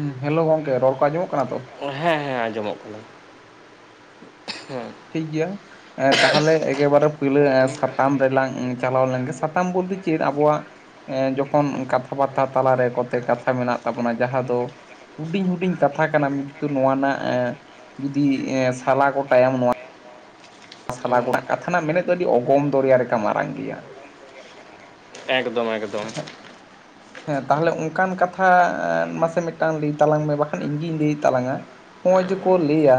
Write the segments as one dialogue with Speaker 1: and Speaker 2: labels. Speaker 1: ᱦᱩᱸ ᱦᱮᱞᱳ ᱜᱚᱝᱠᱮ ᱨᱚᱲ ᱠᱚ ᱟᱸᱡᱚᱢᱚᱜ ᱠᱟᱱᱟ ᱛᱚ?
Speaker 2: ᱦᱮᱸ ᱦᱮᱸ ᱟᱸᱡᱚᱢᱚᱜ ᱠᱟᱱᱟ ᱦᱮᱸ᱾
Speaker 1: ᱴᱷᱤᱠ ᱜᱮᱭᱟ᱾ ᱚᱸᱫ ᱛᱟᱦᱚᱞᱮ ᱮᱜᱮᱵᱟᱨᱮ ᱯᱳᱭᱞᱟ ᱥᱟᱛᱟᱢ ᱨᱮᱞᱟᱝ ᱪᱟᱞᱟᱣ ᱞᱮᱱᱜᱮ ᱥᱟᱛᱟᱢ ᱵᱚᱞᱛᱤ ᱪᱮᱫ ᱟᱵᱚᱣᱟᱜ ᱮᱸ ᱡᱚᱠᱷᱚᱱ ᱠᱟᱛᱷᱟ ᱵᱟᱛᱛᱷᱟ ᱛᱟᱞᱟᱨᱮ ᱠᱚᱛᱮ ᱠᱟᱛᱷᱟ ᱢᱮᱱᱟᱜ ᱛᱟᱵᱚᱱᱟ ᱡᱟᱦᱟᱸ ᱫᱚ ᱦᱩᱰᱤᱧ ᱦᱩᱰᱤᱧ ᱠᱟᱛᱷᱟ ᱠᱟᱱᱟ ᱛᱩ ᱱᱚᱣᱟ ᱨᱮᱱᱟᱜ ᱡᱩᱫᱤ ᱮᱸ ᱥᱟᱞᱟ ᱜᱚᱴᱟᱭᱟᱢ ᱱᱚᱣᱟ ᱥᱟᱞᱟ ᱜᱚᱱᱟᱜ ᱠᱟᱛᱷᱟ ᱱᱟᱜ ᱢᱮᱱᱮᱫ ᱫᱚ ᱟᱹᱰᱤ ᱚᱜᱚᱢ ᱫᱚᱨᱭᱟ ᱞᱮᱠᱟ ᱢᱟᱨᱟᱝ ᱜᱮᱭᱟ᱾
Speaker 2: ᱮᱠᱫᱚᱢ ᱮᱠᱫᱚᱢ᱾
Speaker 1: ᱦᱮᱸ ᱛᱟᱦᱚᱞᱮ ᱚᱱᱠᱟᱱ ᱠᱟᱛᱷᱟ ᱮᱻ ᱢᱟᱥᱮ ᱢᱤᱴᱟᱱ ᱞᱟᱹᱭ ᱛᱟᱞᱟᱝ ᱢᱮ ᱵᱟᱠᱷᱟᱱ ᱤᱧ ᱜᱤᱧ ᱞᱟᱹᱭᱮ ᱛᱟᱞᱟᱝ-ᱟ᱾ ᱦᱚᱸ ᱚᱭ ᱡᱮᱠᱚ ᱞᱟᱹᱭᱟ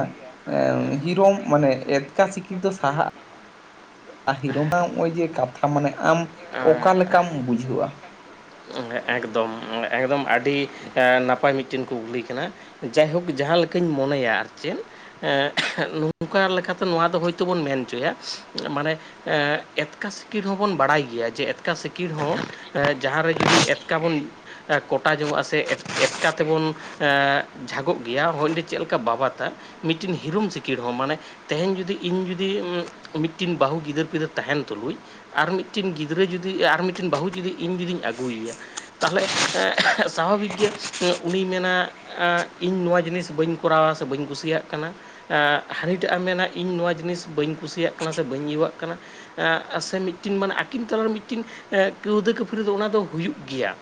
Speaker 1: ᱮᱱ ᱦᱤᱨᱚᱢ ᱢᱟᱱᱮ ᱮᱛᱠᱟ ᱥᱤᱠᱤᱲ ᱫᱚ ᱥᱟᱦᱟᱜᱼᱟ᱾ ᱟ ᱦᱤᱨᱳᱢ ᱱᱟᱣ ᱚᱭ ᱡᱮ ᱠᱟᱛᱷᱟ ᱢᱟᱱᱮ ᱟᱢ ᱚᱠᱟ ᱞᱮᱠᱟᱢ ᱵᱩᱡᱷᱟᱹᱣ ᱟ?
Speaker 2: ᱮ ᱮᱠᱫᱚᱢ ᱮᱠᱫᱚᱢ ᱟᱹᱰᱤ ᱟᱱ ᱱᱟᱯᱟᱭ ᱢᱤᱜᱴᱤᱱ ᱠᱩᱠᱞᱤ ᱠᱟᱱᱟ᱾ ᱡᱟᱭᱦᱳᱠ ᱡᱟᱦᱟᱸ ᱞᱮᱠᱟᱧ ᱢᱚᱱᱮᱭᱟ ᱟᱨ ᱪᱮᱫ ᱮᱸᱜ ᱱᱚᱝᱠᱟ ᱞᱮᱠᱟᱛᱮ ᱱᱚᱣᱟ ᱫᱚ ᱦᱳᱭᱛᱳ ᱵᱚᱱ ᱢᱮᱱ ᱪᱚᱭᱟ ᱢᱟᱱᱮ ᱮᱸᱜ ᱮᱛᱠᱟ ᱥᱤᱠᱤᱲ ᱦᱚᱸᱵᱚᱱ ᱵᱟᱲᱟᱭ ᱜᱮᱭᱟ ᱡᱮ ᱮᱛᱠᱟ ᱥᱤᱠᱤᱲ ᱦᱚᱸ ᱮᱡ ᱡᱟᱦᱟᱸ ᱨᱮ ᱡᱩᱫᱤ ᱮᱛ ᱠᱟᱵᱚᱱ ᱟᱸᱜ ᱠᱚᱴᱟ ᱡᱚᱝᱚᱜᱼᱟ ᱥᱮ ᱮᱴ ᱮᱛᱠᱟ ᱛᱮᱵᱚᱱ ᱮᱸᱜ ᱡᱷᱟᱜᱚᱜ ᱜᱮᱭᱟ ᱦᱚᱸᱭᱰᱮ ᱪᱮᱞ ᱞᱮᱠᱟ ᱵᱟᱵᱟᱛᱟ ᱢᱤᱴᱤᱱ ᱦᱤᱨᱚᱢ ᱥᱤᱠᱤᱲ ᱦᱚᱸ ᱢᱟᱱᱮ ᱛᱮᱦᱮᱧ ᱡᱩᱫᱤ ᱤᱧ ᱡᱩᱫᱤ ᱩᱸᱜ ᱢᱤᱴᱴᱤᱱ ᱵᱟᱹᱦᱩ ᱜᱤᱫᱟᱹᱨ ᱯᱤᱫᱟᱹᱨ ᱛᱟᱦᱮᱱ ᱛᱩᱞᱩᱡ ᱟᱨ ᱢᱤᱜᱴᱤᱱ ᱜᱤᱫᱽᱨᱟᱹ ᱡᱩᱫᱤ ᱟᱨ ᱦᱚᱸ ᱢᱤᱴᱤᱱ ᱵᱟᱹᱦᱩ ᱡᱩᱫᱤ ᱤᱧ ᱡᱩᱫᱤᱧ ᱟᱹᱜᱩᱭᱮᱭᱟ᱾ ᱛᱟᱦᱚᱞᱮ ᱮᱸᱜ ᱥᱟᱵᱷᱟᱵᱤᱠ ᱜᱮ ᱮᱸᱜ ᱩᱱᱤ ᱢᱮᱱᱟ ᱟᱸᱜ ᱤᱧ ᱱᱚᱣᱟ ᱡᱤᱱᱤᱥ ᱵᱟᱹᱧ ᱠᱚᱨᱟᱣᱟ ᱥᱮ ᱵᱟᱹᱧ ᱠᱩᱥᱤᱭᱟᱜ ᱠᱟᱱᱟ᱾ ᱟᱸᱜ ᱦᱟᱹᱱᱤᱴᱟᱜ ᱮᱢ ᱢᱮᱱᱟ ᱤᱧ ᱱᱚᱣᱟ ᱡᱤᱱᱤᱥ ᱵᱟᱹᱧ ᱠᱩᱥᱤᱭᱟᱜ ᱠᱟᱱᱟ ᱥᱮ ᱵᱟᱹᱧ ᱤᱭᱟᱹᱣᱟᱜ ᱠᱟᱱᱟ᱾ ᱟᱸᱜ ᱥᱮ ᱢᱤᱴᱤᱱ ᱢᱟᱱᱮ ᱟᱹᱠᱤᱱ ᱛᱟᱞᱟᱨᱮ ᱢᱤᱴᱤᱱ ᱠᱟᱹᱣᱫᱟᱹ ᱠᱟᱹᱯᱷᱟᱹᱨᱤ ᱫᱚ ᱚᱱᱟ ᱫᱚ ᱦᱩᱭᱩᱜ ᱜᱮᱭᱟ᱾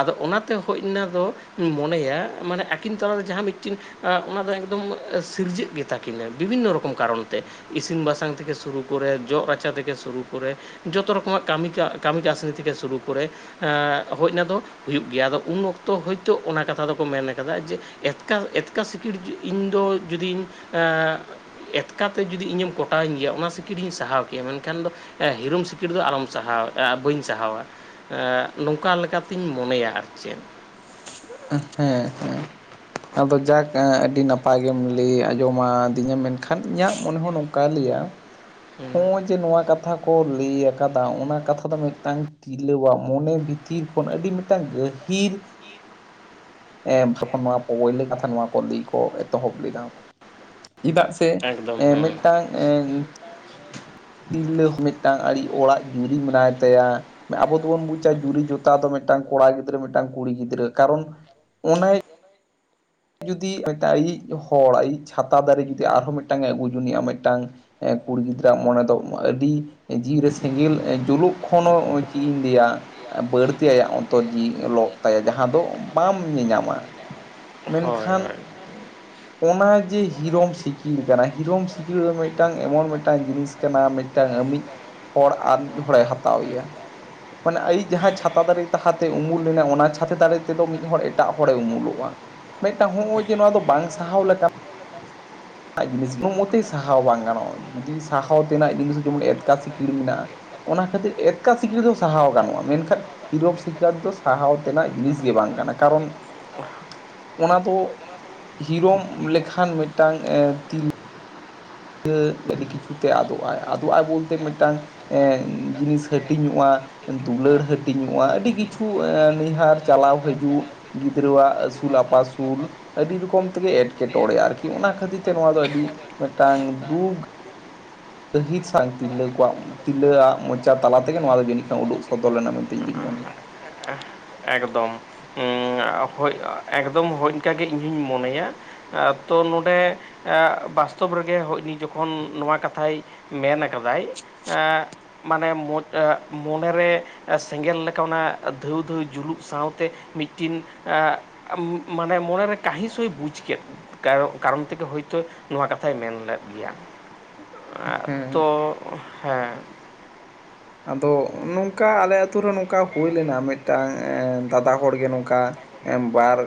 Speaker 2: ᱟᱫᱚ ᱚᱱᱟᱛᱮ ᱦᱳᱢ ᱱᱟ ᱫᱚ ᱢᱚᱱᱮᱭᱟ ᱢᱟᱱᱮ ᱟᱹᱠᱤᱱ ᱛᱟᱞᱟᱨᱮ ᱡᱟᱦᱟᱸ ᱢᱤᱜᱴᱤᱱ ᱟ ᱚᱱᱟ ᱫᱚ ᱮᱠᱫᱚᱢ ᱥᱤᱨᱡᱟᱹᱜ ᱜᱮᱛᱟ ᱠᱤᱱᱟᱹ ᱵᱤᱵᱷᱤᱱᱱᱚ ᱨᱚᱠᱚᱢ ᱠᱟᱨᱚᱱ ᱛᱮ᱾ ᱤᱥᱤᱱ ᱵᱟᱥᱟᱝ ᱛᱷᱮᱠᱮ ᱥᱩᱨᱩ ᱠᱚᱨᱮ ᱡᱚᱜ ᱨᱟᱪᱟ ᱛᱷᱮᱠᱮ ᱥᱩᱨᱩ ᱠᱚᱨᱮ ᱡᱚᱛᱚ ᱨᱚᱠᱚᱢᱟᱜ ᱠᱟᱹᱢᱤ ᱠᱟᱜ ᱠᱟᱹᱢᱤ ᱠᱟᱹᱥᱱᱤ ᱛᱷᱮᱠᱮ ᱥᱩᱨᱩ ᱠᱚᱨᱮ ᱟᱜ ᱦᱳᱡ ᱱᱟ ᱫᱚ ᱦᱩᱭᱩᱜ ᱜᱮᱭᱟ ᱟᱫᱚ ᱩᱱ ᱚᱠᱛᱚ ᱦᱳᱭᱛᱳ ᱚᱱᱟ ᱠᱟᱛᱷᱟ ᱫᱚᱠᱚ ᱢᱮᱱ ᱟᱠᱟᱫᱟ ᱡᱮ ᱮᱛᱠᱟ ᱮᱛᱠᱟ ᱥᱤᱠᱤᱲ ᱡᱩ ᱤᱧᱫᱚ ᱡᱩᱫᱤᱧ ᱟᱸᱻ ᱮᱛᱠᱟ ᱛᱮ ᱡᱩᱫᱤ ᱤᱧ ᱮᱢ ᱠᱚᱴᱟ ᱟᱧ ᱜᱮᱭᱟ ᱚᱱᱟ ᱥᱤᱠᱤᱲ ᱤᱧ ᱥᱟᱦᱟᱣ ᱠᱮᱭᱟ ᱢᱮᱱᱠᱷᱟᱱ ᱫᱚ ᱮ ᱦᱤᱨᱳᱢ ᱥᱤᱠᱤᱲ ᱫᱚ ᱟᱞᱚᱢ ᱥᱟᱦᱟᱣ ᱮ-ᱟ ᱵᱟᱹᱧ ᱥᱟᱦᱟᱣᱟ᱾ ᱮᱸᱜ ᱱᱚᱝᱠᱟ ᱞᱮᱠᱟᱛᱤᱧ ᱢᱚᱱᱮᱭᱟ ᱟᱨ ᱪᱮᱫ᱾
Speaker 1: ᱦᱮᱸ ᱦᱮᱸ᱾ ᱟᱫᱚ ᱡᱟᱠ ᱟᱸ ᱟᱹᱰᱤ ᱱᱟᱯᱟᱭ ᱜᱮᱢ ᱞᱟᱹᱭ ᱟᱸᱡᱚᱢᱟᱫᱤᱧᱟ ᱢᱮᱱᱠᱷᱟᱱ ᱤᱧᱟᱹᱜ ᱢᱚᱱᱮ ᱦᱚᱸ ᱱᱚᱝᱠᱟᱭ ᱞᱟᱹᱭᱟ
Speaker 2: ᱦᱩᱸ,
Speaker 1: ᱦᱚᱸᱼᱚᱭ ᱡᱮ ᱱᱚᱣᱟ ᱠᱟᱛᱷᱟ ᱠᱚ ᱞᱟᱹᱭ ᱟᱠᱟᱫᱟ ᱚᱱᱟ ᱠᱟᱛᱷᱟ ᱫᱚ ᱢᱤᱫᱴᱟᱝ ᱛᱤᱨᱞᱟᱹᱣᱟᱜ ᱢᱚᱱᱮ ᱵᱷᱤᱛᱤᱨ ᱠᱷᱚᱱ ᱟᱹᱰᱤ ᱢᱤᱫᱴᱟᱝ ᱜᱟᱹ ᱠᱤᱨ ᱮᱸ ᱵᱷᱟᱠᱷᱚᱱ ᱱᱚᱣᱟ ᱯᱚ ᱯᱳᱭᱞᱟᱹ ᱠᱟᱛᱷᱟ ᱱᱚᱣᱟ ᱠᱚ ᱞᱟᱹᱭ ᱠᱚ ᱮᱛᱚᱦᱚᱵ ᱞᱮᱫᱟ ᱪᱤᱫᱟᱜ ᱛᱮ
Speaker 2: ᱮᱠᱫᱚᱢ
Speaker 1: ᱮ
Speaker 2: ᱦᱩᱸ
Speaker 1: ᱢᱤᱜᱴᱟᱝ ᱮᱸ ᱡᱩᱢ ᱛᱤᱨᱞᱟᱹ ᱦᱚᱸ ᱢᱤᱜᱴᱟᱝ ᱟᱹᱲᱤ ᱚᱲᱟᱜ ᱡᱩᱨᱤ ᱢᱮᱱᱟᱭ ᱛᱟᱭᱟ᱾ ᱟᱵᱚ ᱫᱚᱵᱚᱱ ᱵᱩᱪᱟ ᱡᱩᱨᱤ ᱡᱚᱛᱟ ᱫᱚ ᱢᱤᱫᱴᱟᱝ ᱠᱚᱲᱟ ᱜᱤᱫᱽᱨᱟᱹ ᱢᱤᱫᱴᱟᱝ ᱠᱩᱲᱤ ᱜᱤᱫᱽᱨᱟᱹ ᱠᱟᱨᱚᱱ ᱚᱱᱮᱭ ᱡᱩᱫᱤ ᱟᱛᱟᱭᱤᱡ ᱦᱚᱲ ᱟᱭᱤᱡ ᱪᱷᱟᱛᱟ ᱫᱟᱨᱮ ᱡᱩᱫᱤ ᱟᱨᱦᱚᱸ ᱢᱤᱜᱴᱟᱝᱼᱮ ᱟᱹᱜᱩ ᱡᱚᱱᱤᱼᱟ ᱢᱤᱜᱴᱟᱝ ᱮ ᱠᱩᱲᱤ ᱜᱤᱫᱽᱨᱟᱹᱣᱟᱜ ᱢᱚᱱᱮ ᱫᱚ ᱟᱹᱰᱤ ᱡᱤᱣᱤ ᱨᱮ ᱥᱮᱸᱜᱮᱞ ᱡᱩᱞᱩᱜ ᱠᱷᱚᱱ ᱦᱚᱸ ᱪᱮᱫ ᱤᱧ ᱞᱟᱹᱭᱟ ᱮ ᱵᱟᱹᱲᱛᱤ ᱟᱭᱟᱜ ᱚᱱᱛᱚᱨ ᱡᱤᱣᱤ ᱞᱚᱜ ᱛᱟᱭᱟ ᱡᱟᱦᱟᱸ ᱫᱚ ᱵᱟᱢ ᱧᱮᱧᱟᱢᱟ᱾
Speaker 2: ᱦᱳᱭ
Speaker 1: ᱢᱮᱱᱠᱷᱟᱱ
Speaker 2: ᱦᱳᱭ [unintelligible]
Speaker 1: ᱚᱱᱟ ᱡᱮ ᱦᱤᱨᱳᱢ ᱥᱤᱠᱤᱲ ᱠᱟᱱᱟ ᱦᱤᱨᱳᱢ ᱥᱤᱠᱤᱲ ᱫᱚ ᱢᱤᱫᱴᱟᱝ ᱮᱢᱚᱱ ᱢᱤᱫᱴᱟᱝ ᱡᱤᱱᱤᱥ ᱠᱟᱱᱟ ᱢᱤᱫᱴᱟᱝ ᱟᱹᱢᱤᱡ ᱦᱚᱲ ᱟᱨ ᱢᱤᱫ ᱦᱚᱲᱮ ᱦᱟᱛᱟᱣᱮᱭᱟ᱾ ᱢᱟᱱᱮ ᱟᱭᱤᱡ ᱡᱟᱦᱟᱸᱭ ᱪᱷᱟᱛᱟ ᱫᱟᱨᱮ ᱛᱟᱦᱟ ᱛᱮ ᱩᱢᱩᱞ ᱞᱮᱱᱟᱭ ᱚᱱᱟ ᱪᱷᱟᱛᱟ ᱫᱟᱨᱮ ᱛᱮᱫᱚ ᱢᱤᱫ ᱦᱚᱲ ᱮᱴᱟᱜ ᱦᱚᱲᱮ ᱩᱢᱩᱞᱚᱜᱼᱟ᱾ ᱢᱤᱫᱴᱟᱝ ᱦᱩᱜᱼᱩᱭ ᱡᱮ ᱱᱚᱣᱟ ᱫᱚ ᱵᱟᱝ ᱥᱟᱦᱟᱣ ᱞᱮᱠᱟ ᱱᱟᱜ ᱡᱤᱱᱤᱥ ᱠᱳᱱᱳ ᱢᱚᱛᱮᱭ ᱥᱟᱦᱟᱣ ᱵᱟᱝ ᱜᱟᱱᱚᱜᱼᱟ ᱡᱩᱫᱤ ᱥᱟᱦᱟᱣ ᱛᱮᱱᱟᱜ ᱡᱤᱱᱤᱥ ᱡᱮᱢᱚᱱ ᱮᱛᱠᱟ ᱥᱤᱠᱤᱲ ᱢᱮᱱᱟᱜᱼᱟ᱾ ᱚᱱᱟ ᱠᱷᱟᱹᱛᱤᱨ ᱮᱛᱠᱟ ᱥᱤᱠᱤᱲ ᱫᱚ ᱥᱟᱦᱟᱣ ᱜᱟᱱᱚᱜᱼᱟ ᱢᱮᱱᱠᱷᱟᱱ ᱦᱤᱨᱳᱢ ᱥᱤᱠᱟᱹᱲ ᱫᱚ ᱥᱟᱦᱟᱣ ᱛᱮᱱᱟᱜ ᱡᱤᱱᱤᱥ ᱜᱮ ᱵᱟᱝ ᱠᱟᱱᱟ ᱠᱟᱨᱚᱱ ᱚᱱᱟ ᱫᱚ ᱦᱤᱨᱳᱢ ᱞᱮᱠᱷᱟᱱ ᱢᱤᱫᱴᱟᱝ ᱛᱤᱞᱼᱼ -ᱟᱹ ᱟᱹᱰᱤ ᱠᱤᱪᱷᱩ ᱛᱮ ᱟᱫᱚᱜᱼᱟᱭ ᱟᱫᱚᱜᱼᱟᱭ ᱵᱚᱞᱛᱮ ᱢᱤᱫᱴᱟᱝ ᱡᱤᱱᱤᱥ ᱦᱟᱹᱴᱤᱧᱚᱜᱼᱟ ᱫᱩᱞᱟᱹᱲ ᱦᱟᱹᱴᱤᱧᱚᱜᱼᱟ ᱟᱹᱰᱤ ᱠᱤᱪᱷᱩ ᱱᱤᱭᱦᱟᱨ ᱪᱟᱞᱟᱣ ᱦᱤᱡᱩᱜ ᱜᱤᱫᱽᱨᱟᱹᱣᱟᱜ ᱟᱹᱥᱩᱞ ᱟᱯᱟᱥᱩᱞ᱾ ᱟᱹᱰᱤ ᱨᱚᱠᱚᱢ ᱛᱮᱜᱮ ᱮᱸᱴᱠᱮᱴᱚᱬᱮᱼᱟ ᱟᱨᱠᱤ ᱚᱱᱟ ᱠᱷᱟᱹᱛᱤᱨ ᱛᱮ ᱱᱚᱣᱟ ᱫᱚ ᱟᱹᱰᱤ ᱢᱤᱫᱴᱟᱝ ᱫᱩᱠ ᱜᱟᱹᱦᱤᱨ ᱥᱟᱜ ᱛᱤᱨᱞᱟᱹ ᱠᱚᱣᱟᱜ ᱛᱤᱨᱞᱟᱹᱣᱟᱜ ᱢᱚᱪᱟ ᱛᱟᱞᱟ ᱛᱮᱜᱮ ᱱᱚᱣᱟ ᱫᱚ ᱡᱟᱹᱱᱤᱡ ᱠᱷᱟᱱ ᱩᱰᱩᱜ ᱥᱚᱫᱚᱨ ᱞᱮᱱᱟ ᱢᱮᱱᱛᱮ ᱤᱧ ᱫᱩᱧ ᱢᱚᱱᱮᱭᱟ᱾
Speaker 2: ᱮᱠᱫᱚᱢ ᱮᱸ ᱦᱳᱡ ᱮᱠᱫᱚᱢ ᱦᱳᱡ ᱮᱱᱠᱟ ᱜᱮ ᱤᱧ ᱦᱚᱧ ᱢᱚᱱᱮᱭᱟ᱾ ᱛᱚ ᱱᱚᱰᱮ ᱵᱟᱥᱛᱚᱵ ᱨᱮᱜᱮ ᱦᱳᱡ ᱩᱱᱤ ᱡᱚᱠᱷᱚᱱ ᱱᱚᱣᱟ ᱠᱟᱛᱷᱟᱭ ᱢᱮᱱ ᱟᱠᱟᱫᱟᱭ ᱮ ᱢᱟᱱᱮ ᱢᱚᱡᱼᱟ ᱢᱚᱱᱮ ᱨᱮ ᱥᱮᱸᱜᱮᱞ ᱞᱮᱠᱟ ᱚᱱᱟ ᱫᱷᱟᱣ ᱫᱷᱟᱣ᱾ ᱡᱩᱞᱩᱜ ᱥᱟᱶᱛᱮ ᱢᱤᱫᱴᱤᱱ ᱮᱸ ᱢᱟᱱᱮ ᱢᱚᱱᱮᱨᱮ ᱠᱟᱹᱦᱤᱥᱩᱭ ᱦᱩᱸᱭ ᱵᱩᱡᱽ ᱠᱮᱫ᱾ ᱠᱟᱨᱚᱜ ᱠᱟᱨᱚᱱ ᱛᱮᱜᱮ ᱦᱳᱭᱛᱳ ᱱᱚᱣᱟ ᱠᱟᱛᱷᱟᱭ ᱢᱮᱱ ᱞᱮᱫ ᱜᱮᱭᱟ ᱮᱸ
Speaker 1: ᱦᱮᱸ
Speaker 2: ᱛᱚ ᱦᱮᱸ
Speaker 1: ᱟᱫᱚ ᱱᱚᱝᱠᱟ ᱟᱞᱮ ᱟᱛᱩᱨ ᱨᱮ ᱱᱚᱝᱠᱟ ᱦᱩᱭ ᱞᱮᱱᱟ ᱢᱤᱫᱴᱟᱱ ᱮᱸ ᱫᱟᱫᱟ ᱦᱚᱲᱜᱮ ᱱᱚᱝᱠᱟᱼᱼ ᱮᱸ ᱵᱟᱨ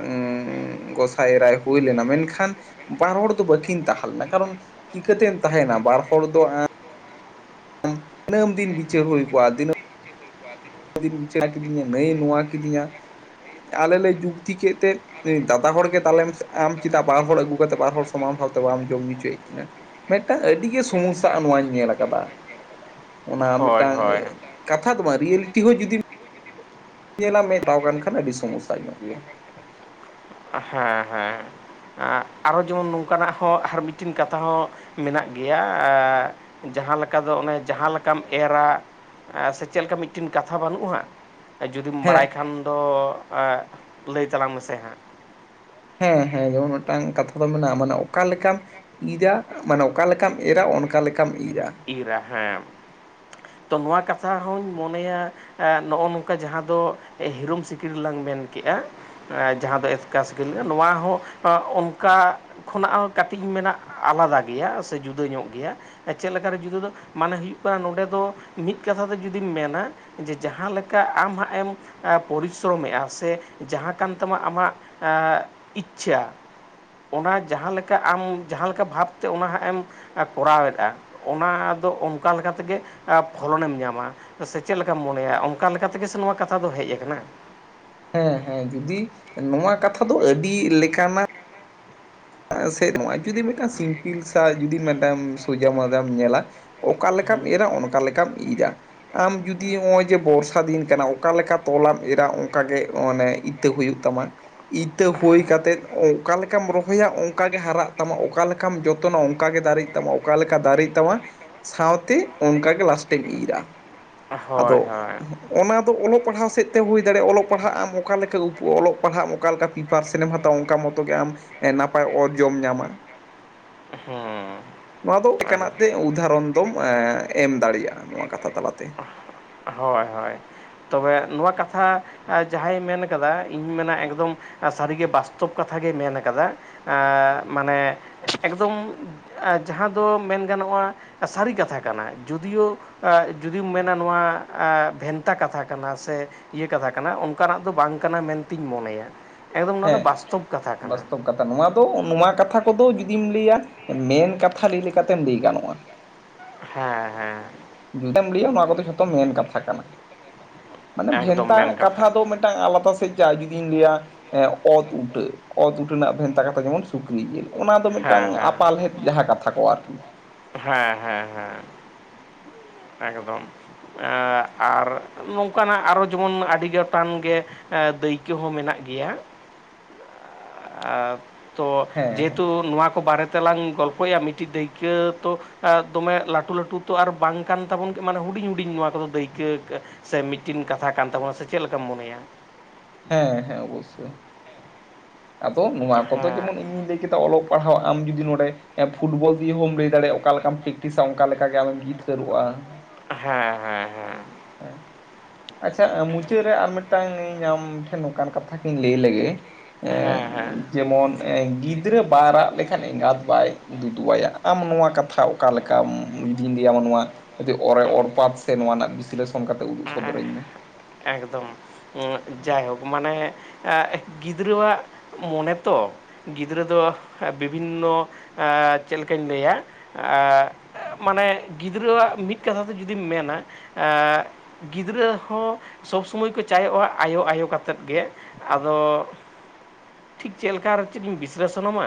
Speaker 1: ᱜᱚᱸᱥᱟᱭ ᱮᱨᱟᱭ ᱦᱩᱭ ᱞᱮᱱᱟ ᱢᱮᱱᱠᱷᱟᱱᱼᱼ ᱵᱟᱨ ᱦᱚᱲ ᱫᱚ ᱵᱟᱹᱠᱤᱱ ᱛᱟᱦᱮᱸ ᱞᱮᱱᱟ ᱠᱟᱨᱚᱱ ᱪᱤᱠᱟᱹᱛᱮᱢ ᱛᱟᱦᱮᱱᱟ ᱵᱟᱨ ᱦᱚᱲ ᱫᱚ ᱮᱸ ᱫᱤᱟᱹᱢ ᱫᱤᱱ ᱵᱤᱪᱟᱹᱨ ᱦᱩᱭ ᱠᱚᱜᱼᱟ ᱫᱤᱱᱟᱹ ᱡ ᱫᱤᱱ ᱵᱤᱪᱟ ᱠᱤᱫᱤᱧᱟ ᱱᱷᱟᱹᱭ ᱱᱚᱣᱟ ᱠᱤᱫᱤᱧᱟ ᱟᱞᱮ ᱞᱮ ᱡᱩᱠᱛᱤ ᱠᱮᱫ ᱛᱮ ᱚᱱᱤ ᱫᱟᱫᱟ ᱦᱚᱲᱜᱮ ᱫᱟᱞᱮ ᱢᱮᱥᱮ ᱟᱢ‌ ᱪᱮᱫᱟᱜ ᱵᱟᱨ ᱦᱚᱲ ᱟᱹᱜᱩ ᱠᱟᱛᱮᱫ ᱵᱟᱨ ᱦᱚᱲ ᱥᱚᱢᱟᱱ ᱵᱷᱟᱶᱛᱮ ᱵᱟᱢ ᱡᱚᱢ ᱧᱩ ᱚᱪᱚᱭᱮᱫ ᱠᱤᱱᱟ᱾ ᱢᱤᱫᱴᱟᱝ ᱟᱹᱰᱤᱜᱮ ᱥᱚᱢᱚᱥᱟᱜ-ᱟ ᱱᱚᱣᱟᱧ ᱧᱮᱞ ᱟᱠᱟᱫᱟ᱾ ᱚᱱᱟ
Speaker 2: ᱦᱳᱭ
Speaker 1: ᱢᱤᱫᱴᱟᱝ
Speaker 2: ᱦᱳᱭ
Speaker 1: ᱠᱟᱛᱷᱟ ᱫᱚ ᱵᱟᱝ ᱨᱤᱭᱮᱞᱤᱴᱤ ᱦᱚᱸ ᱡᱩᱫᱤ ᱧᱮᱞᱟ ᱢᱮᱫ ᱴᱷᱟᱣ ᱠᱟᱱ ᱠᱷᱟᱱ ᱟᱹᱰᱤ ᱥᱚᱢᱚᱥᱟ ᱧᱚᱜ ᱜᱮᱭᱟ᱾
Speaker 2: ᱦᱮᱸ ᱦᱮᱸ ᱟᱨᱚ ᱡᱮᱢᱚᱱ ᱱᱚᱝᱠᱟᱱᱟᱜ ᱦᱚᱸ ᱟᱨ ᱢᱤᱫᱴᱤᱱ ᱠᱟᱛᱷᱟ ᱦᱚᱸ ᱢᱮᱱᱟᱜ ᱜᱮᱭᱟ ᱟ ᱡᱟᱦᱟᱸ ᱞᱮᱠᱟ ᱫᱚ ᱚᱱᱮ ᱡᱟᱦᱟᱸ ᱞᱮᱠᱟᱢ ᱮᱨᱟ. ᱼᱼ ᱮ ᱥᱮ ᱪᱮᱫ ᱞᱮᱠᱟ ᱢᱤᱫᱴᱮᱱ ᱠᱟᱛᱷᱟ ᱵᱟᱱᱩᱜ-ᱟ ᱦᱟᱸᱜ᱾ ᱮ ᱡᱩᱫᱤᱢ ᱵᱟᱲᱟᱭ
Speaker 1: ᱦᱮᱸ
Speaker 2: ᱠᱷᱟᱱ ᱫᱚ ᱟᱸ ᱞᱟᱹᱭ ᱛᱟᱞᱟᱝ ᱢᱮᱥᱮ ᱦᱟᱸᱜ᱾
Speaker 1: ᱦᱮᱸ ᱦᱮᱸ ᱡᱮᱢᱚᱱ ᱢᱤᱫᱴᱟᱝ ᱠᱟᱛᱷᱟ ᱫᱚ ᱢᱮᱱᱟᱜᱼᱟ ᱢᱟᱱᱮ ᱚᱠᱟ ᱞᱮᱠᱟᱱᱼᱼ ᱤᱨᱟ ᱢᱟᱱᱮ ᱚᱠᱟ ᱞᱮᱠᱟᱢ ᱮᱨᱟ ᱚᱱᱠᱟ ᱞᱮᱠᱟᱢ ᱤᱨᱟ. ᱾
Speaker 2: ᱤᱨᱟ ᱦᱮᱸ ᱛᱚ ᱱᱚᱣᱟ ᱠᱟᱛᱷᱟ ᱦᱚᱧ ᱢᱚᱱᱮᱭᱟ ᱮ ᱱᱚᱜᱼᱚ ᱱᱚᱝᱠᱟ ᱡᱟᱦᱟᱸ ᱫᱚ ᱦᱤᱨᱳᱚᱢ ᱥᱤᱠᱲᱤᱡ ᱞᱟᱝ ᱢᱮᱱ ᱠᱮᱜᱼᱟ᱾ ᱮᱸ ᱡᱟᱦᱟᱸ ᱫᱚ ᱮᱥᱠᱟᱥ ᱥᱤᱠᱤᱞ ᱱᱚᱣᱟ ᱦᱚᱸ ᱚᱸ ᱚᱱᱠᱟ ᱠᱷᱚᱱᱟᱜ ᱦᱚᱸ ᱠᱟᱹᱴᱤᱡ ᱢᱮᱱᱟᱜ ᱟᱞᱟᱫᱟ ᱜᱮᱭᱟ ᱥᱮ ᱡᱩᱫᱟᱹ ᱧᱚᱜ ᱜᱮᱭᱟ ᱪᱮᱫ ᱞᱮᱠᱟᱨᱮ ᱡᱩᱫᱟᱹ ᱫᱚ, ᱢᱟᱱᱮ ᱦᱩᱭᱩᱜ ᱠᱟᱱᱟ ᱱᱚᱰᱮ ᱫᱚ ᱢᱤᱫ ᱠᱟᱛᱷᱟ ᱛᱮ ᱡᱩᱫᱤᱢ ᱢᱮᱱᱟ ᱡᱮ ᱡᱟᱦᱟᱸ ᱞᱮᱠᱟ ᱟᱢ ᱦᱟᱸᱜ ᱮᱢ ᱯᱚᱨᱤᱥᱨᱚᱢᱮᱜᱼᱟ, ᱥᱮ ᱡᱟᱦᱟᱸ ᱠᱟᱱ ᱛᱟᱢᱟ ᱟᱢᱟᱜ ᱮᱸᱜ ᱤᱪᱪᱷᱷᱟ ᱚᱱᱟ ᱡᱟᱦᱟᱸ ᱞᱮᱠᱟ, ᱟᱢ ᱡᱟᱦᱟᱸ ᱞᱮᱠᱟ ᱵᱷᱟᱵᱛᱮ ᱚᱱᱟ ᱦᱟᱸᱜ ᱮᱢ ᱠᱚᱨᱟᱣᱮᱫ-ᱟ ᱚᱱᱟ ᱫᱚ ᱚᱱᱠᱟ ᱞᱮᱠᱟ ᱛᱮᱜᱮ ᱯᱷᱚᱞᱚᱱᱮᱢ ᱧᱟᱢᱟ, ᱥᱮ ᱪᱮᱫ ᱞᱮᱠᱟᱢ ᱢᱚᱱᱮᱭᱟ? ᱚᱱᱠᱟ ᱞᱮᱠᱟ ᱛᱮᱜᱮ ᱥᱮ ᱱᱚᱣᱟ ᱠᱟᱛᱷᱟ ᱫᱚ ᱦᱮᱡ ᱠᱟᱱᱟ,
Speaker 1: ᱦᱮᱸ ᱦᱮᱸ ᱡᱩᱫᱤ ᱱᱚᱣᱟ ᱠᱟᱛᱷᱟ ᱫᱚ ᱟᱹᱰᱤ ᱞᱮᱠᱟᱱᱟ ᱥᱮ ᱱᱚᱣᱟ ᱡᱩᱫᱤ ᱢᱤᱫᱴᱟᱝ ᱥᱤᱢᱯᱤᱞ ᱥᱟ ᱡᱩᱫᱤᱢ ᱢᱤᱫᱴᱟᱝ ᱥᱳᱡᱟ ᱢᱟᱡᱟᱢ [unintelligible] ᱧᱮᱞᱟ ᱚᱠᱟ ᱞᱮᱠᱟᱢ ᱮᱨᱟ ᱚᱱᱠᱟ ᱞᱮᱠᱟᱢ ᱤᱨᱟ᱾ ᱟᱢ ᱡᱩᱫᱤ ᱦᱚᱸᱜᱼᱚᱭ ᱡᱮ ᱵᱚᱨᱥᱟ ᱫᱤᱱ ᱠᱟᱱᱟ, ᱚᱠᱟ ᱞᱮᱠᱟ ᱛᱚᱞᱟᱢ ᱮᱨᱟ ᱚᱱᱠᱟᱜ ᱜᱮ ᱢᱟᱱᱮ ᱤᱛᱟᱹ ᱦᱩᱭᱩᱜ ᱛᱟᱢᱟ, ᱤᱛᱟᱹ ᱦᱳᱭ ᱠᱟᱛᱮᱜ ᱚᱠᱟ ᱞᱮᱠᱟᱢ ᱨᱚᱦᱚᱭᱟ ᱚᱱᱠᱟᱜᱮ ᱦᱟᱨᱟᱜ ᱛᱟᱢᱟ, ᱚᱠᱟ ᱞᱮᱠᱟᱢ ᱡᱚᱛᱚᱱᱟ ᱚᱱᱠᱟᱜᱮ ᱫᱟᱨᱮᱜ ᱛᱟᱢᱟ, ᱚᱠᱟ ᱞᱮᱠᱟ ᱫᱟᱨᱮᱜ ᱛᱟᱢᱟ, ᱥᱟᱶᱛᱮ ᱚᱱᱠᱟ ᱜᱮ ᱞᱟᱥᱴᱮᱢ ᱤᱨᱟ,
Speaker 2: ᱦᱚᱭ
Speaker 1: ᱟᱫᱚ
Speaker 2: ᱦᱚᱭ
Speaker 1: ᱚᱱᱟ ᱫᱚ ᱚᱞᱚᱜ ᱯᱟᱲᱦᱟᱣ ᱥᱮᱫ ᱛᱮ ᱦᱩᱭ ᱫᱟᱲᱮᱭᱟᱜ-ᱟ, ᱚᱞᱚᱜ ᱯᱟᱲᱦᱟᱜ ᱟᱢ ᱚᱠᱟ ᱞᱮᱠᱟ ᱩᱯᱩ [unintelligible] ᱚᱞᱚᱜ ᱯᱟᱲᱦᱟᱜ ᱚᱠᱟ ᱞᱮᱠᱟ ᱯᱤᱯᱟᱨᱥᱮᱱ ᱮᱢ ᱦᱟᱛᱟᱣᱟ ᱚᱱᱠᱟ ᱢᱚᱛᱚ ᱜᱮ ᱮᱸ ᱟᱢ ᱱᱟᱯᱟᱭ ᱚᱨᱡᱚᱢ ᱧᱟᱢᱟ,
Speaker 2: ᱦᱩᱸ
Speaker 1: ᱱᱚᱣᱟ ᱫᱚ ᱮᱠᱟᱱᱟᱜ ᱛᱮ ᱩᱫᱟᱦᱚᱨᱚᱱ ᱫᱚᱢ ᱮᱢ ᱫᱟᱲᱮᱭᱟᱜᱼᱟ, ᱱᱚᱣᱟ ᱠᱟᱛᱷᱟ ᱛᱟᱞᱟᱛᱮ
Speaker 2: ᱦᱚᱭ ᱦᱚᱭ ᱮᱫ ᱱᱚᱣᱟ ᱠᱟᱛᱷᱟ ᱡᱟᱦᱟᱸᱭ ᱢᱮᱱ ᱠᱟᱫᱟ, ᱤᱧᱦᱚᱸᱧ ᱢᱮᱱᱟ ᱮᱠᱫᱚᱢ ᱥᱟᱹᱨᱤ ᱜᱮ ᱵᱟᱥᱛᱚᱵᱽ ᱠᱟᱛᱷᱟ ᱜᱮ ᱢᱮᱱ ᱠᱟᱫᱟ, ᱮᱸ ᱢᱟᱱᱮ ᱮᱠᱫᱚᱢ ᱡᱟᱦᱟᱸ ᱫᱚ ᱢᱮᱱ ᱜᱟᱱᱚᱜᱼᱟ, ᱥᱟᱹᱨᱤ ᱠᱟᱛᱷᱟ ᱠᱟᱱᱟ, ᱡᱳᱫᱤᱭᱳ ᱡᱩᱫᱤᱢ ᱢᱮᱱᱟ ᱱᱚᱣᱟ ᱵᱷᱮᱱᱛᱟ ᱠᱟᱛᱷᱟ ᱠᱟᱱᱟ ᱥᱮ ᱤᱭᱟᱹ ᱠᱟᱛᱷᱟ ᱠᱟᱱᱟ, ᱚᱱᱠᱟᱱᱟᱜ ᱫᱚ ᱵᱟᱝ ᱠᱟᱱᱟ ᱢᱮᱱᱛᱤᱧ ᱢᱚᱱᱮᱭᱟ, ᱮᱠᱫᱚᱢ ᱱᱚᱣᱟ ᱫᱚ
Speaker 1: ᱦᱮᱸ,
Speaker 2: ᱵᱟᱥᱛᱚᱵ ᱠᱟᱛᱷᱟ ᱠᱟᱱᱟ
Speaker 1: ᱵᱟᱥᱛᱚᱵ ᱱᱚᱣᱟ ᱫᱚ ᱱᱚᱣᱟ ᱠᱟᱛᱷᱟ ᱠᱚᱫᱚ ᱡᱩᱫᱤᱢ ᱞᱟᱹᱭ-ᱟ, ᱢᱮᱱ ᱠᱟᱛᱷᱟ ᱞᱟᱹᱭ ᱞᱮᱠᱟ ᱛᱮᱢ ᱞᱟᱹᱭ ᱜᱟᱱᱚᱜ-ᱟ᱾
Speaker 2: ᱦᱮᱸ [inaudible]
Speaker 1: ᱡᱩᱫᱮᱢ ᱞᱟᱹᱭᱟ ᱱᱚᱣᱟ ᱠᱚᱫᱚ ᱡᱚᱛᱚ ᱢᱮᱱ ᱠᱟᱛᱷᱟ ᱠᱟᱱᱟ, ᱢᱟᱱᱮ
Speaker 2: ᱮᱠᱫᱚᱢ
Speaker 1: ᱵᱷᱮᱱᱛᱟ
Speaker 2: ᱢᱮᱱ
Speaker 1: ᱠᱟᱛᱷᱟ ᱫᱚ ᱴᱟᱝ ᱟᱞᱟᱫᱟ ᱥᱮᱡ ᱡᱟ ᱡᱩᱫᱤᱧ ᱞᱟᱹᱭᱟ, ᱚᱛ ᱩᱴᱟᱹ ᱚᱛ ᱩᱴᱟᱹ ᱨᱮᱱᱟᱜ ᱵᱷᱮᱱᱛᱟ ᱠᱟᱛᱷᱟ ᱡᱮᱢᱚᱱ ᱥᱩᱠᱨᱤ ᱡᱮᱞ ᱚᱱᱟ ᱫᱚ ᱢᱤᱫᱴᱟᱝ
Speaker 2: ᱦᱮᱸ ᱦᱮᱸ
Speaker 1: ᱟᱯᱟᱞᱦᱮᱫ ᱡᱟᱦᱟᱸ ᱠᱟᱛᱷᱟ ᱠᱚ ᱟᱨᱠᱤ,
Speaker 2: ᱦᱮᱸᱼᱦᱮᱸᱼᱦᱮᱸ ᱮᱠᱫᱚᱢ ᱟᱨ ᱱᱚᱝᱠᱟᱱᱟᱜ ᱟᱨᱚ ᱡᱮᱢᱚᱱ ᱟᱹᱰᱤ ᱜᱚᱴᱟᱝ ᱜᱮ, ᱫᱟᱹᱭᱠᱟᱹ ᱦᱚᱸ ᱢᱮᱱᱟᱜ ᱜᱮᱭᱟ᱾ [inaudible] ᱛᱚ
Speaker 1: ᱦᱮᱸ ᱦᱮᱸ
Speaker 2: ᱡᱮᱦᱮᱛᱩ ᱱᱚᱣᱟ ᱠᱚ ᱵᱟᱨᱮ ᱛᱮᱞᱟᱝ ᱜᱚᱞᱯᱚᱭᱮᱫ-ᱟ, ᱢᱤᱫᱴᱤᱡ ᱫᱟᱹᱭᱠᱟᱹ ᱛᱚ ᱫᱚᱢᱮ ᱞᱟᱹᱴᱩ ᱞᱟᱹᱴᱩ ᱛᱚ ᱟᱨ ᱵᱟᱝ ᱠᱟᱱ ᱛᱟᱵᱚᱱ ᱜᱮ ᱢᱟᱱᱮ ᱦᱩᱰᱤᱧ ᱦᱩᱰᱤᱧ ᱱᱚᱣᱟ ᱠᱚᱫᱚ ᱫᱟᱹᱭᱠᱟᱹ ᱥᱮ ᱢᱤᱫᱴᱤᱱ ᱠᱟᱛᱷᱟ ᱠᱟᱱ ᱛᱟᱵᱚᱱᱟ, ᱥᱮ ᱪᱮᱫ ᱞᱮᱠᱟᱢ ᱢᱚᱱᱮᱭᱟ?
Speaker 1: ᱦᱮᱸ ᱦᱮᱸ ᱚᱵᱚᱥᱥᱳᱭ, ᱟᱫᱚ ᱱᱚᱣᱟ ᱠᱚᱫᱚ
Speaker 2: ᱦᱮᱸ
Speaker 1: ᱡᱮᱢᱚᱱ ᱤᱧᱤᱧ ᱞᱟᱹᱭ ᱠᱮᱫᱟ ᱯᱟᱲᱦᱟᱣ ᱟᱢ ᱡᱩᱫᱤ ᱱᱚᱰᱮ, ᱯᱷᱩᱴᱵᱚᱞ ᱫᱤᱭᱮ ᱦᱚᱸ ᱞᱟᱹᱭ ᱫᱟᱲᱮᱜᱼᱟ, ᱚᱠᱟ ᱞᱮᱠᱟᱢ ᱯᱮᱠᱴᱤᱥᱟ ᱚᱱᱠᱟ ᱞᱮᱠᱟ ᱜᱮ ᱟᱢᱮᱢ ᱡᱤᱛᱠᱟᱹᱨᱚᱜᱼᱟ᱾
Speaker 2: ᱦᱮᱸ ᱦᱮᱸ
Speaker 1: ᱟᱪᱪᱷᱟ ᱢᱩᱪᱟᱹᱫᱽ ᱨᱮ ᱟᱨ ᱢᱤᱫᱴᱟᱝ ᱤᱧ ᱧᱟᱢ ᱴᱷᱮᱱ ᱱᱚᱝᱠᱟᱱ ᱠᱟᱛᱷᱟ ᱜᱮᱧ ᱞᱟᱹᱭ ᱞᱮᱜᱮ
Speaker 2: ᱦᱮᱸ ᱦᱮᱸ
Speaker 1: ᱡᱮᱢᱚᱱ ᱜᱤᱫᱽᱨᱟᱹ ᱵᱟᱭ ᱨᱟᱜ ᱞᱮᱠᱷᱟᱱ ᱮᱸᱜᱟᱛ ᱵᱟᱭ ᱫᱩᱫᱩᱣᱟᱭᱟ ᱟᱢ ᱱᱚᱣᱟ ᱠᱟᱛᱷᱟ ᱚᱠᱟ ᱞᱮᱠᱟᱢ ᱡᱩᱫᱤᱧ ᱞᱟᱹᱭᱟ ᱢᱟ ᱱᱚᱣᱟ, ᱡᱩᱫᱤ ᱚᱨᱮ ᱚᱨᱯᱟᱛ ᱥᱮ ᱱᱚᱣᱟ ᱨᱮᱱᱟᱜ ᱵᱤᱥᱞᱮᱥᱚᱱ ᱠᱟᱛᱮ ᱩᱫᱩᱜ
Speaker 2: ᱦᱮᱸ
Speaker 1: ᱥᱚᱫᱚᱨᱟᱹᱧ ᱢᱮ?
Speaker 2: ᱮᱠᱫᱚᱢ ᱡᱟᱭᱦᱳᱠ ᱢᱟᱱᱮ ᱜᱤᱫᱽᱨᱟᱹᱣᱟᱜ᱾ ᱢᱚᱱᱮᱛᱚ ᱜᱤᱫᱽᱨᱟᱹ ᱫᱚ ᱵᱤᱵᱷᱤᱱᱚ ᱪᱮᱫ ᱞᱮᱠᱟᱧ ᱞᱟᱹᱭᱟ? ᱟᱸᱻ ᱢᱟᱱᱮ ᱜᱤᱫᱽᱨᱟᱹᱣᱟᱜ ᱢᱤᱫ ᱠᱟᱛᱷᱟ ᱛᱮ ᱡᱩᱫᱤᱢ ᱢᱮᱱᱟ᱾ ᱟᱸᱻ ᱜᱤᱫᱽᱨᱟᱹ ᱦᱚᱸ, ᱥᱚᱵᱽ ᱥᱚᱢᱚᱭ ᱠᱚ ᱪᱟᱭᱚᱜᱼᱟ ᱟᱭᱳ ᱼᱟᱭᱳ ᱠᱟᱛᱮᱫ ᱜᱮ ᱟᱫᱚ᱾ ᱴᱷᱤᱠ ᱪᱮᱫ ᱞᱮᱠᱟ ᱟᱨ ᱪᱮᱫ ᱤᱧ ᱵᱤᱥᱞᱮᱥᱚᱱ ᱟᱢᱟ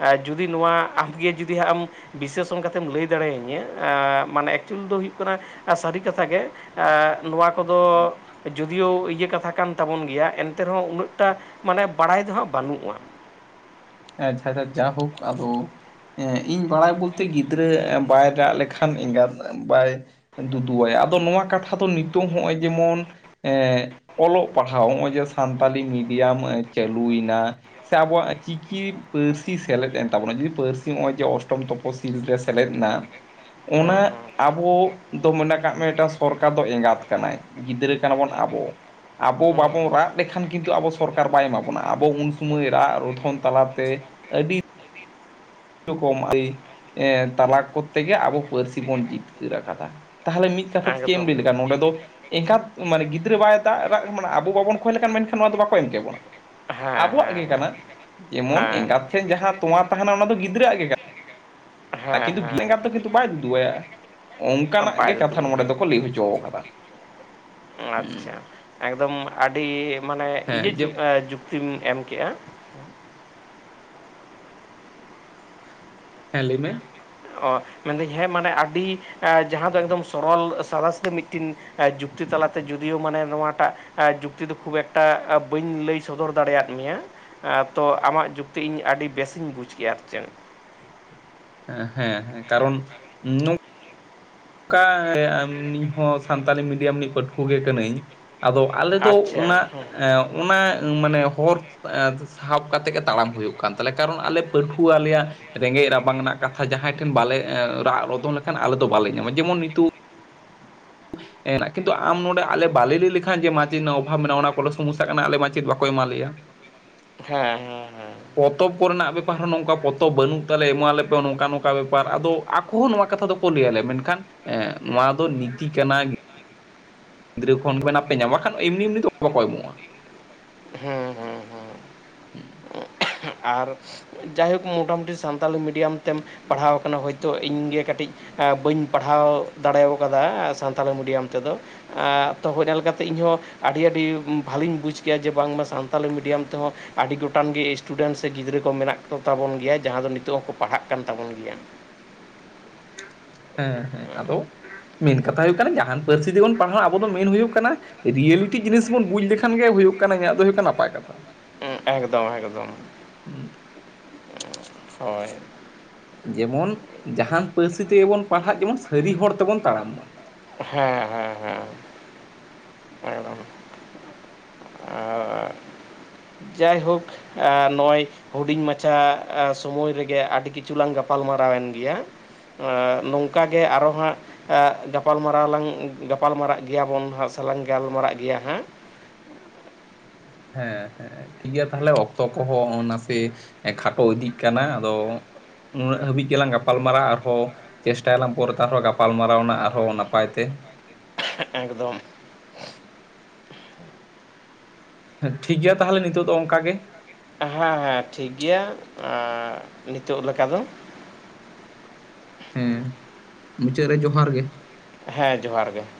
Speaker 2: ᱟᱨ ᱡᱩᱫᱤ ᱱᱚᱣᱟ ᱟᱢᱜᱮ ᱡᱩᱫᱤ ᱦᱟᱸᱜ ᱮᱢ, ᱵᱤᱥᱮᱥᱚᱱ ᱠᱟᱛᱮᱢ ᱞᱟᱹᱭ ᱫᱟᱲᱮᱭᱟᱹᱧᱟᱹ ᱢᱟᱱᱮ ᱮᱠᱪᱩᱭᱮᱞ ᱫᱚ ᱦᱩᱭᱩᱜ ᱠᱟᱱᱟ᱾ ᱥᱟᱹᱨᱤ ᱠᱟᱛᱷᱟ ᱜᱮ ᱱᱚᱣᱟ ᱠᱚᱫᱚ, ᱡᱩᱫᱤᱭᱳ ᱤᱭᱟᱹ ᱠᱟᱛᱷᱟ ᱠᱟᱱ ᱛᱟᱵᱚᱱ ᱜᱮᱭᱟ ᱮᱱᱛᱮ ᱨᱮᱦᱚᱸ ᱩᱱᱟᱹᱜ ᱴᱟ ᱢᱟᱱᱮ ᱵᱟᱲᱟᱭ ᱫᱚ ᱦᱟᱸᱜ ᱵᱟᱹᱱᱩᱜᱼᱟ?
Speaker 1: ᱦᱮᱸ ᱟᱪᱟᱷᱟ ᱟᱪᱪᱦᱟ ᱡᱟ ᱦᱳᱠ ᱟᱞᱚ᱾ ᱮᱸᱻ ᱤᱧ ᱵᱟᱲᱟᱭ ᱵᱚᱞᱛᱮ ᱜᱤᱫᱽᱨᱟᱹ ᱵᱟᱭ ᱨᱟᱜ ᱞᱮᱠᱷᱟᱱ ᱮᱸᱜᱟᱛ ᱵᱟᱭ ᱫᱩᱫᱩᱣᱟᱭᱟ ᱟᱫᱚ ᱱᱚᱣᱟ ᱠᱟᱛᱷᱟ ᱫᱚ ᱱᱤᱛᱳᱝ ᱱᱚᱜᱼᱚᱭ ᱡᱮᱢᱚᱱ, ᱮᱸ ᱚᱞᱚᱜ ᱯᱟᱲᱦᱟᱣ ᱱᱚᱜᱼᱚᱭ ᱡᱮ ᱥᱟᱱᱛᱟᱞᱤ ᱢᱤᱰᱤᱭᱟᱢ ᱪᱟᱹᱞᱩᱭᱮᱱᱟ ᱾ ᱥᱮ ᱟᱵᱚᱣᱟᱜ ᱪᱤᱠᱼᱼ ᱠᱤ ᱯᱟᱹᱨᱥᱤ ᱥᱮᱞᱮᱫ ᱮᱱ ᱛᱟᱵᱚᱱᱟ ᱡᱩᱫᱤ ᱯᱟᱹᱨᱥᱤ ᱱᱚᱜᱼᱚᱭ ᱡᱮ ᱚᱥᱴᱚᱢ ᱛᱚᱯᱚᱥᱤᱞ ᱨᱮ ᱥᱮᱞᱮᱫ ᱮᱱᱟ᱾ ᱚᱱᱟ
Speaker 2: ᱦᱮᱸ
Speaker 1: ᱟᱵᱚ ᱫᱚ ᱢᱚᱱᱮ ᱠᱟᱜ ᱢᱮ ᱢᱤᱫᱴᱟᱝ ᱥᱚᱨᱠᱟᱨ ᱫᱚ ᱮᱸᱜᱟᱛ ᱠᱟᱱᱟᱭ᱾ ᱜᱤᱫᱽᱨᱟᱹ ᱠᱟᱱᱟ ᱵᱚᱱ ᱟᱵᱚ᱾ ᱟᱵᱚ ᱵᱟᱵᱚᱱ ᱨᱟᱜ ᱞᱮᱠᱷᱟᱱ ᱠᱤᱱᱛᱩ ᱟᱵᱚ ᱥᱚᱨᱠᱟᱨ ᱵᱟᱭ ᱮᱢᱟ ᱵᱚᱱᱟ ᱟᱵᱚ ᱩᱱ ᱥᱚᱢᱚᱭ ᱨᱟᱜ ᱨᱚᱫᱷᱚᱱ᱾ ᱛᱟᱞᱟᱛᱮ ᱟᱹᱰᱤ, ᱨᱚᱠᱚᱢᱟᱹᱨᱤ ᱛᱟᱞᱟ ᱠᱚᱨᱛᱮ ᱜᱮ ᱟᱵᱚ ᱯᱟᱹᱨᱥᱤ ᱵᱚᱱ ᱡᱤᱛᱠᱟᱹᱨ ᱟᱠᱟᱫᱟ ᱛᱟᱦᱚᱞᱮ ᱢᱤᱫ ᱠᱟᱛᱷᱟ ᱛᱮ
Speaker 2: ᱦᱮᱸ ᱦᱮᱸ ᱦᱮᱸ
Speaker 1: ᱪᱮᱫ ᱮᱢ
Speaker 2: ᱮᱠᱫᱚᱢ
Speaker 1: ᱞᱟᱹᱭ ᱞᱮᱠᱷᱟᱱ ᱱᱚᱸᱰᱮ ᱫᱚ᱾ ᱮᱱᱜᱟᱛ ᱢᱟᱱᱮ ᱜᱤᱫᱽᱨᱟᱹ ᱵᱟᱭ ᱫᱟᱜ ᱨᱟᱜ ᱢᱟᱱᱮ ᱟᱵᱚ ᱵᱟᱵᱚᱱ ᱠᱦᱚᱭ ᱞᱮᱠᱷᱟᱱ ᱢᱮᱱᱠᱷᱟᱱ ᱱᱚᱣᱟ ᱫᱚ ᱵᱟᱠᱚ ᱮᱢ ᱠᱮ ᱵᱚᱱᱟ᱾
Speaker 2: ᱦᱮᱸ ᱦᱮᱸ
Speaker 1: ᱟᱵᱚᱣᱟᱜ ᱜᱮ ᱠᱟᱱᱟ ᱡᱮᱢᱚᱱ
Speaker 2: ᱦᱮᱸ
Speaker 1: ᱮᱸᱜᱟᱛ ᱴᱷᱮᱱ ᱡᱟᱦᱟᱸ ᱛᱚᱣᱟ ᱛᱟᱦᱮᱱᱟ ᱚᱱᱟ ᱫᱚ ᱜᱤ ᱜᱤᱫᱽᱨᱟᱹᱼᱟᱜ ᱜᱮ ᱠᱟᱱᱟ
Speaker 2: ᱦᱮᱸ
Speaker 1: ᱠᱤᱱᱛᱩ ᱜᱤᱫᱨᱟᱹ
Speaker 2: ᱦᱮᱸ
Speaker 1: ᱮᱸᱜᱟᱜ ᱫᱚ ᱠᱤᱱᱛᱩ ᱵᱟᱭ ᱫᱩᱫᱩᱜᱟᱭᱟ ᱾
Speaker 2: ᱦᱮᱸ
Speaker 1: ᱚᱱᱠᱟᱱᱟᱜ ᱜᱮ
Speaker 2: ᱵᱟᱭ ᱫᱩᱫᱩ
Speaker 1: ᱠᱟᱛᱷᱟ ᱱᱚᱸᱰᱮ
Speaker 2: ᱟᱭᱟ
Speaker 1: ᱫᱚᱠᱚ ᱞᱟᱹᱭ ᱦᱚᱪᱚ ᱟᱠᱟᱫᱟ᱾
Speaker 2: ᱟᱪᱪᱷᱟ ᱮᱠᱫᱚᱢ ᱟᱹᱰᱤ ᱢᱟᱱᱮ ᱤᱭᱟᱹ
Speaker 1: ᱦᱮᱸ ᱡᱮ
Speaker 2: ᱡᱩ ᱡᱩᱠᱛᱤᱢ ᱮᱢ ᱠᱮᱼᱟ᱾
Speaker 1: ᱦᱮᱸ ᱞᱟᱹᱭ ᱢᱮ?
Speaker 2: ᱢᱮᱱ ᱫᱟᱹᱧ ᱦᱮᱸ ᱢᱟᱱᱮ ᱟᱹᱰᱤ ᱟᱸ ᱡᱟᱦᱟᱸ ᱫᱚ ᱮᱠᱫᱚᱢ ᱥᱚᱨᱚᱞ ᱥᱟᱫᱟ ᱥᱤᱫᱟᱹ ᱢᱤᱫᱴᱤᱱ, ᱡᱩᱠᱛᱤ ᱛᱟᱞᱟᱛᱮ ᱡᱩᱫᱤᱭᱳ ᱢᱟᱱᱮ ᱱᱚᱣᱟᱴᱟᱜ, ᱟᱸᱻ ᱡᱩᱠᱛᱤ ᱫᱚ ᱠᱷᱩᱵ ᱮᱠᱴᱟ ᱵᱟᱹᱧ ᱞᱟᱹᱭ ᱥᱚᱫᱚᱨ ᱫᱟᱲᱮᱭᱟᱜ ᱢᱮᱭᱟ᱾ ᱟᱸᱻ ᱛᱚ ᱟᱢᱟᱜ ᱡᱩᱠᱛᱤ ᱤᱧ ᱟᱹᱰᱤ ᱵᱮᱹᱥᱤᱧ ᱵᱩᱡᱽ ᱠᱮᱜᱼᱟ ᱟᱨ ᱪᱮᱫ?
Speaker 1: ᱮᱸ ᱦᱮᱸ ᱦᱮᱸ ᱠᱟᱨᱚᱱ ᱱᱚ ᱠᱟ ᱱᱤ ᱦᱚᱸ ᱥᱟᱱᱛᱟᱞᱤ ᱢᱤᱰᱤᱭᱟᱢ ᱨᱤᱱᱤᱡᱽ ᱯᱟᱹᱴᱷᱣᱟᱹ ᱜᱮ ᱠᱟᱹᱱᱟᱹᱧ ᱟᱫᱚ, ᱟᱞᱮ ᱫᱚ
Speaker 2: ᱟᱪᱪᱷᱟ
Speaker 1: ᱚᱱᱟ
Speaker 2: ᱦᱮᱸ
Speaker 1: ᱮᱸ ᱚᱱᱟ ᱢᱟᱱᱮ ᱦᱚᱨ ᱮᱸ ᱥᱟᱵ ᱠᱟᱛᱮᱜ ᱜᱮ ᱛᱟᱲᱟᱢ ᱦᱳᱭᱳᱜ ᱠᱟᱱ ᱛᱟᱞᱮᱭᱟ ᱠᱟᱨᱚᱱ ᱟᱞᱮ ᱯᱟᱹᱴᱷᱩᱣᱟᱹ ᱟᱞᱮᱭᱟᱜ, ᱨᱮᱸᱜᱮᱡ ᱨᱟᱵᱟᱝ ᱨᱮᱱᱟᱜ ᱠᱟᱛᱷᱟ ᱡᱟᱦᱟᱸᱭ ᱴᱷᱮᱱ ᱵᱟᱞᱮ ᱨᱟᱜ ᱨᱚᱫᱦᱚᱱ ᱞᱮᱠᱷᱟᱱ ᱟᱞᱮ ᱫᱚ ᱵᱟᱞᱮ ᱧᱟᱢᱟ ᱡᱮᱢᱚᱱ ᱱᱤᱛᱚᱜ, ᱮᱸ ᱠᱤᱱᱛᱩ ᱟᱢ ᱱᱚᱸᱰᱮ ᱟᱞᱮ ᱵᱟᱞᱮ ᱞᱟᱹᱭ ᱞᱮᱠᱷᱟᱱ ᱡᱮ ᱢᱟᱪᱮᱫ ᱱᱚᱣᱟ ᱨᱮᱱᱟᱜ ᱚᱵᱷᱟᱵᱽ ᱢᱮᱱᱟᱜᱼᱟ ᱚᱱᱟ ᱠᱚᱞᱮ ᱥᱚᱢᱚᱥᱥᱟ ᱠᱟᱱᱟ ᱟᱞᱮ ᱢᱟᱪᱮᱫ ᱵᱟᱠᱚ ᱮᱢᱟ ᱞᱮᱭᱟ᱾
Speaker 2: ᱦᱮᱸᱼᱦᱮᱸᱼᱦᱮᱸ,
Speaker 1: ᱯᱚᱛᱚᱵ ᱠᱚᱨᱮᱱᱟᱜ ᱵᱮᱯᱟᱨ ᱦᱚᱸ ᱱᱚᱝᱠᱟ ᱯᱚᱛᱚᱵ ᱵᱟᱹᱱᱩᱜ ᱛᱟᱞᱮ ᱮᱢᱟᱞᱮᱯᱮ ᱱᱚᱝᱠᱟ ᱵᱚᱝᱠᱟ ᱵᱮᱯᱟᱨ ᱟᱫᱚ ᱟᱠ ᱠᱳᱦᱚ ᱱᱚᱣᱟ ᱠᱟᱛᱷᱟ ᱫᱚᱠᱚ ᱞᱟᱹᱭ ᱟᱞᱮᱭᱟ ᱢᱮᱱᱠᱷᱟᱱ ᱮᱸ ᱱᱚᱣᱟ ᱫᱚ ᱱᱤᱛᱤ ᱠᱟᱱᱟ᱾ ᱜᱤᱫᱽᱨᱟᱹ ᱠᱷᱚᱱ ᱜᱮ ᱱᱟᱦᱟᱜ ᱯᱮ ᱧᱟᱢᱟ ᱵᱟᱠᱷᱟᱱ ᱮᱢᱱᱤ ᱮᱢᱱᱤ ᱫᱚ ᱵᱟᱠᱚ ᱮᱢᱚᱜᱼᱟ᱾
Speaker 2: ᱦᱮᱸᱼᱦᱮᱸᱼᱦᱮᱸ,
Speaker 1: ᱦᱩᱸ,
Speaker 2: ᱟᱨ ᱡᱟᱭᱦᱳᱠ ᱢᱚᱴᱟᱢᱩᱴᱤ ᱥᱟᱱᱛᱟᱞᱤ ᱢᱤᱰᱤᱭᱟᱢ ᱛᱮᱢ ᱯᱟᱲᱦᱟᱣ ᱟᱠᱟᱱᱟ ᱦᱚᱳᱭᱛᱚ ᱤᱧ ᱜᱮ ᱠᱟᱴᱤᱡ ᱮᱸ ᱵᱟᱹᱧ ᱯᱟᱲᱦᱟᱣ ᱫᱟᱲᱮᱣ ᱟᱠᱟᱫᱟ ᱥᱟᱱᱛᱟᱲᱤ ᱢᱤᱰᱤᱭᱟᱢ ᱛᱮᱫᱚ᱾ ᱟᱸ, ᱛᱚ ᱦᱳ ᱧᱮᱞ ᱠᱟᱛᱮ ᱤᱧ ᱦᱚᱸ ᱟᱰᱤ ᱟᱹᱰᱤ ᱩᱸ ᱵᱷᱟᱞᱤᱧ ᱵᱩᱡᱽ ᱠᱮᱭᱟ ᱡᱮ ᱵᱟᱝᱢᱟ ᱥᱟᱱ ᱛᱟᱞᱤ ᱢᱤᱰᱤᱭᱟᱢ ᱛᱮᱦᱚᱸ ᱟᱰᱤ ᱜᱚᱴᱟᱝ ᱜᱮ ᱤᱥᱴ ᱴᱩᱰᱮᱱᱥ ᱥᱮ ᱜᱤᱫᱽᱨᱟᱹ ᱠᱚ ᱢᱮᱱᱟᱜ ᱠᱚᱛᱟᱵᱚᱱ ᱜᱮᱭᱟ ᱡᱟᱦᱟᱸ ᱫᱚ ᱱᱤᱛᱚᱜ ᱦᱚᱸᱠᱚ ᱯᱟᱲᱦᱟᱜ ᱠᱟᱱ ᱛᱟᱵᱚᱱ ᱜᱮᱭᱟ᱾
Speaker 1: ᱯ-ᱪᱟᱜ, ᱦᱮᱸ ᱦᱮᱸ ᱟᱫᱚ ᱢᱮᱱ ᱠᱟᱛᱷᱟ ᱦᱳᱭᱳᱜ ᱠᱟᱱᱟ ᱡᱟᱦᱟᱱ ᱯᱟᱹᱨᱥᱤ ᱛᱮᱵᱚᱱ ᱯᱟᱲᱦᱟᱜ ᱟᱵᱚ ᱫᱚ ᱢᱮᱱ ᱦᱳᱭᱳᱜ ᱠᱟᱱᱟ ᱨᱤᱭᱮᱹᱞᱤᱴᱤ ᱡᱤᱱᱤᱥ ᱵᱚᱱ ᱵᱩᱡᱽ ᱞᱮᱠᱷᱟᱱ ᱜᱮ ᱦᱩᱭᱩᱜ ᱠᱟᱱᱟ ᱤᱧᱟᱹᱜ ᱫᱚ ᱦᱩᱭᱩᱜ ᱠᱟᱱᱟ ᱱᱟᱯᱟᱭ ᱠᱟᱛᱷᱟ᱾
Speaker 2: ᱩᱸ, ᱮᱠᱫᱚᱢ ᱮᱠᱫᱚᱢ ᱾
Speaker 1: ᱷᱩᱸᱦ ᱥᱟᱜ ᱾
Speaker 2: ᱦᱚᱭ ᱾
Speaker 1: ᱡᱮᱢᱚᱱ ᱡᱟᱦᱟᱱ ᱯᱟᱹᱨᱥᱤ ᱛᱮᱜᱮ ᱵᱚᱱ ᱯᱟᱲᱦᱟᱜ ᱡᱮᱢᱚᱱ ᱥᱟᱹᱨᱤ ᱦᱚᱲ ᱛᱮᱵᱚᱱ ᱛᱟᱲᱟᱢ ᱢᱟ᱾
Speaker 2: ᱷᱮᱸᱦᱼᱦᱮᱸᱼᱦᱮᱸ ᱾ ᱮᱠᱫᱚᱢ ᱟ ᱾ ᱡᱟᱭᱦᱳᱠ, ᱮᱸ ᱱᱚᱜᱼᱚᱭ ᱦᱩᱰᱤᱧ ᱢᱟᱪᱷᱟ ᱟ ᱥᱚᱢᱚᱭ ᱨᱮᱜᱮ ᱟᱰᱤ ᱠᱤᱪᱷᱩ ᱞᱟᱝ ᱜᱟᱯᱟᱞᱢᱟᱨᱟᱣ ᱮᱱ ᱜᱮᱭᱟ᱾ ᱮᱸ, ᱱᱚᱝᱠᱟ ᱜᱮ ᱟᱨᱚ ᱦᱟᱸᱜ ᱮᱸ ᱜᱟᱯᱟᱞᱢᱟᱨᱟᱣ ᱞᱟᱝ ᱜᱟᱯᱟᱞ ᱢᱟᱨᱟᱜ ᱜᱮᱭᱟᱵᱚᱱ ᱦᱟᱸᱜ ᱥᱮ ᱞᱟᱝ ᱜᱟᱞᱢᱟᱨᱟᱜ ᱜᱮᱭᱟ ᱦᱮᱸᱦ
Speaker 1: ᱦᱮᱸᱦ ᱦᱮᱸ ᱾ ᱴᱷᱤᱠ ᱜᱮᱭᱟ ᱛᱟᱦᱞᱮ ᱚᱠᱛᱚ ᱠᱚᱦᱚᱸ ᱱᱟᱥᱮᱹ ᱮᱸ ᱠᱷᱟᱴᱚ ᱤᱫᱤᱜ ᱠᱟᱱᱟ ᱟᱫᱚ ᱩᱱᱟᱹᱜ ᱦᱟᱹᱵᱤᱡ ᱜᱮᱞᱟᱝ ᱜᱟᱯᱟᱞᱢᱟᱨᱟᱜ ᱟᱨᱦᱚ ᱪᱮᱥᱴᱟᱭ ᱟᱞᱟᱝ ᱯᱚᱨᱮᱛᱮ ᱟᱨᱦᱚᱸ ᱜᱟᱯᱟᱞ ᱢᱟᱨᱟᱣᱱᱟᱜ ᱟᱨᱦᱚᱸ ᱱᱟᱯᱟᱭ ᱛᱮ ᱾
Speaker 2: ᱦᱮᱸᱜ ᱮᱠᱫᱚᱢ ᱾
Speaker 1: ᱦᱮ, ᱴᱷᱤᱠ ᱜᱮᱭᱟ ᱛᱟᱦᱞᱮ ᱱᱤᱛᱚᱜ ᱫᱚ ᱚᱝᱠᱟ ᱜᱮ ᱾
Speaker 2: ᱦᱮᱸ ᱦᱮᱸ ᱴᱷᱤᱠ ᱜᱮᱭᱟ ᱮᱸ ᱱᱤᱛᱚᱜ ᱞᱮᱠᱟ ᱫᱚ ᱾
Speaker 1: ᱦᱮᱸ, ᱢᱩᱪᱟᱹᱫ ᱨᱮ ᱡᱚᱦᱟᱨ ᱜᱮ ᱾
Speaker 2: ᱦᱮᱸ, ᱡᱚᱦᱟᱨ ᱜᱮ ᱾